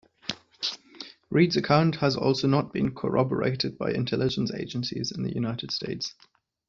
Reed's account has also not been corroborated by intelligence agencies in the United States.